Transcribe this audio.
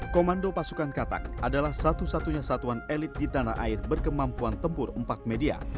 komando pasukan katak adalah satu satunya satuan elit di tanah air berkemampuan tempur empat media